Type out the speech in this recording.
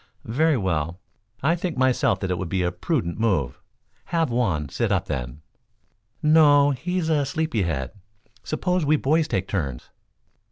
"Very well; I think myself that it would be a prudent move. Have Juan sit up, then." "No, he's a sleepy bead. Suppose we boys take turns?"